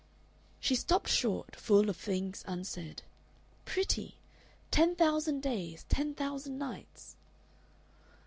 She stopped short, full of things un said. Pretty! Ten thousand days, ten thousand nights!